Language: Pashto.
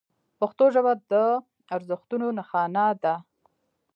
پښتو ژبه د ارزښتونو نښانه ده.